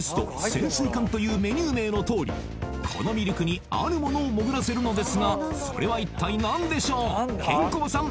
潜水艦というメニュー名のとおりこのミルクにあるものを潜らせるのですがそれは一体何でしょうケンコバさん